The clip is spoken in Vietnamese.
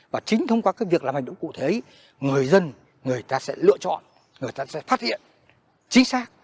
và chính thông qua việc làm hành động cụ thể người dân người ta sẽ lựa chọn người ta sẽ phát hiện chính xác